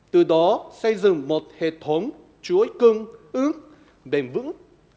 từ đó xây dựng một hệ thống chuối cưng ứng bền vững